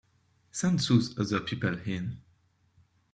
Send those other people in.